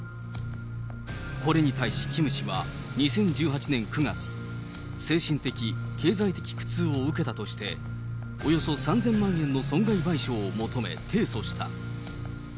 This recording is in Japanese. これに対し、キム氏は２０１８年９月、精神的・経済的苦痛を受けたとして、およそ３０００万円の損害賠償を求め、提訴した。